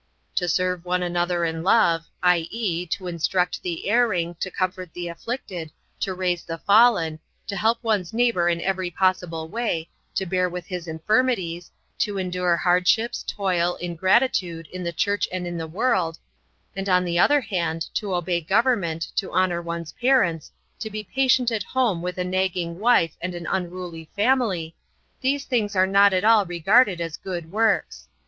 To serve one another in love, i.e., to instruct the erring, to comfort the afflicted, to raise the fallen, to help one's neighbor in every possible way, to bear with his infirmities, to endure hardships, toil, ingratitude in the Church and in the world, and on the other hand to obey government, to honor one's parents, to be patient at home with a nagging wife and an unruly family, these things are not at all regarded as good works.